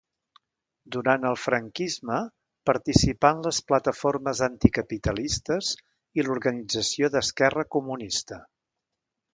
Durant el franquisme participà en les Plataformes Anticapitalistes i l'Organització d'Esquerra Comunista.